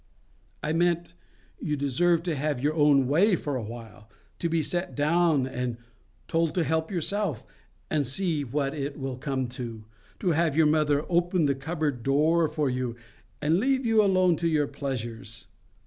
I meant—you deserve to have your own way for a while; to be set down, and told to help yourself, and see what it will come to; to have your mother open the cupboard door for you, and leave you alone to your pleasures.